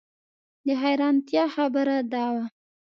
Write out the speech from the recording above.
د حیرانتیا خبره دا وه.